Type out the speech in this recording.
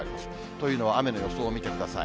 というのは、雨の予想を見てください。